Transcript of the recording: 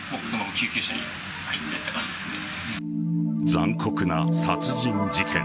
残酷な殺人事件。